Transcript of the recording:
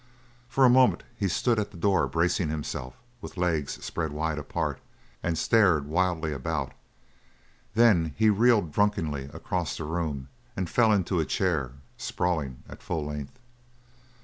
For a moment he stood at the door, bracing himself with legs spread wide apart, and stared wildly about then he reeled drunkenly across the room and fell into a chair, sprawling at full length.